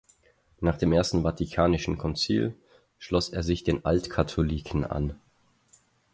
Nach dem Ersten Vatikanischen Konzil schloss er sich den Altkatholiken an.